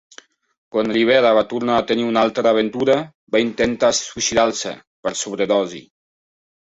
Quan Rivera va tornar a tenir una altra aventura, va intentar suïcidar-se per sobredosi.